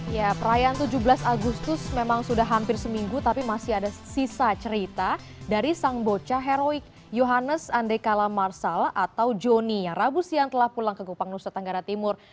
ya perayaan tujuh belas agustus memang sudah hampir seminggu tapi masih ada sisa cerita dari sang bocah heroik yohannes andekala marsal atau joni yang rabu siang telah pulang ke kupang nusa tenggara timur